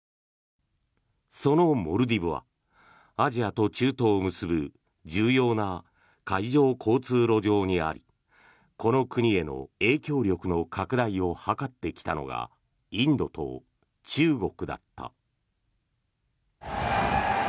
そのモルディブはアジアと中東を結ぶ重要な海上交通路上にありこの国への影響力の拡大を図ってきたのがインドと中国だった。